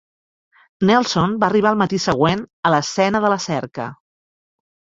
Nelson va arribar el matí següent a l'escena de la cerca.